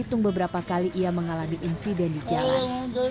dihitung beberapa kali ia mengalami insiden di jalan